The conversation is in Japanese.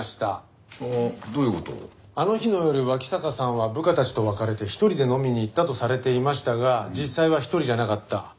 あの日の夜脇坂さんは部下たちと別れて１人で飲みに行ったとされていましたが実際は１人じゃなかった。